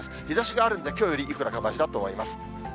日ざしがあるんで、きょうよりいくらかましだとは思います。